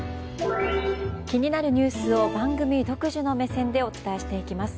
気になるニュースを番組独自の目線でお伝えしていきます。